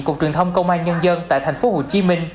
cục truyền thông công an nhân dân tại tp hcm